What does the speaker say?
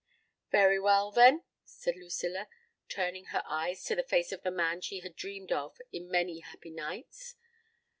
"Very well, then," said Lucilla, turning her eyes to the face of the man she had dreamed of in many happy nights.